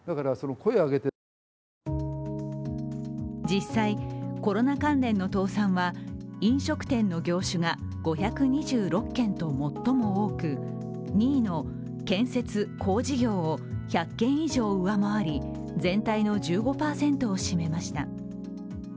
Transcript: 実際、コロナ関連の倒産は飲食店の業者が５２６件と最も多く２位の建設・工事業を１００件以上上回り、全体の１５％を占めました。